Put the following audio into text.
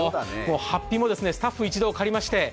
法被もスタッフ一同借りまして